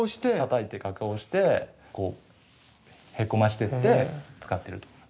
たたいて加工してへこましてって使ってるという。